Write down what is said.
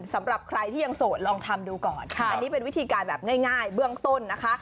จากนี้ประกอบก็เพิ่มใช้พิธีการแบบง่ายเบื้องตนนะคะ